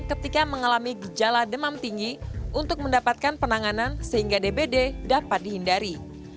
ketika mengalami gejala demam tinggi untuk mendapatkan penanganan sehingga dbd dapat dihindari